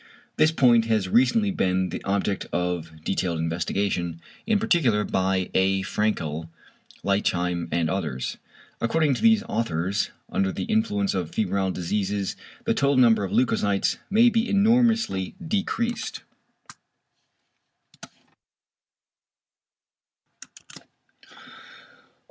This point has recently been the object of detailed investigation, in particular by A. Fraenkel, Lichtheim and others. According to these authors, under the influence of febrile diseases the total number of leucocytes may be enormously decreased.